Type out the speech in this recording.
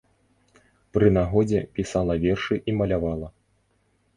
Пры нагодзе пісала вершы і малявала.